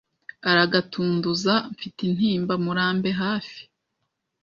aragatunduza mfite intimba Murambe hafi